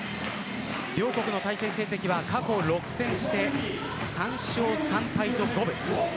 両国の対戦成績は過去６戦して３勝３敗と５分。